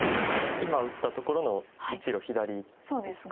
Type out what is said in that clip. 今打ったところの１路左ですか。